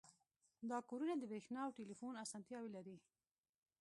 دا کورونه د بریښنا او ټیلیفون اسانتیاوې لري